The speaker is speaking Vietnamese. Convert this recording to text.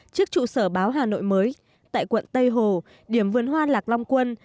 trước trụ sở báo hà nội mới tại quận tây hồ điểm vườn hoa lạc long quân